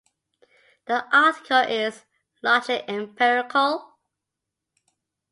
The article Is Logic Empirical?